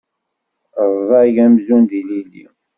Rẓag amzun d ilili.